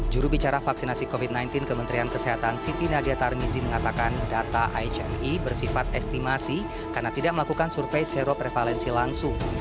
jurubicara vaksinasi covid sembilan belas kementerian kesehatan siti nadia tarmizi mengatakan data hmi bersifat estimasi karena tidak melakukan survei seroprevalensi langsung